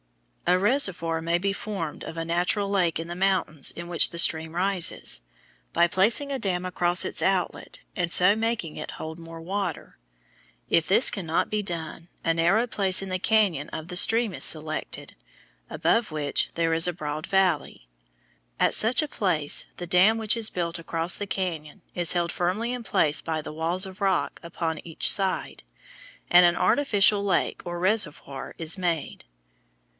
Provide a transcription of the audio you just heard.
A reservoir may be formed of a natural lake in the mountains in which the stream rises, by placing a dam across its outlet and so making it hold more water. If this cannot be done, a narrow place in the cañon of the stream is selected, above which there is a broad valley. At such a place the dam which is built across the cañon is held firmly in place by the walls of rock upon each side, and an artificial lake or reservoir is made.